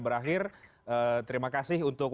berakhir terima kasih untuk